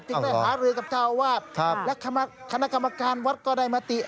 จึงได้หาลื้อกับชาววาสและคณะกรรมการวัดก็ได้มาติ